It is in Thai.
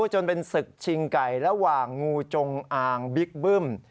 จนเป็นศึกชิงไก่ระหว่างงูจงอางบิ๊กบึ้ม